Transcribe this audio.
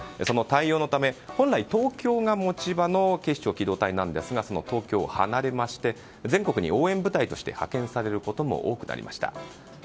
その対応のため本来、東京が持ち場の警視庁機動隊なんですがその東京を離れまして全国に応援部隊として派遣されることも多くなりました。